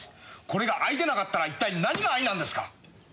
これが愛でなかったら一体何が愛なんですか！